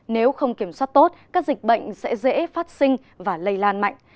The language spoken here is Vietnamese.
nếu không kiểm soát tốt các dịch bệnh sẽ dễ phát sinh và lây lan mạnh